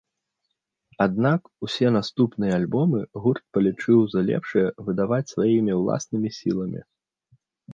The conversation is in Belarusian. Аднак усе наступныя альбомы гурт палічыў за лепшае выдаваць сваімі ўласнымі сіламі.